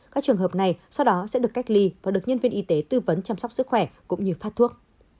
các trường hợp này sau đó sẽ được cách ly và được nhân viên y tế tư vấn chăm sóc sức khỏe cũng như phát thuốc